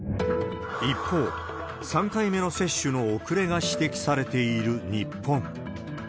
一方、３回目の接種の遅れが指摘されている日本。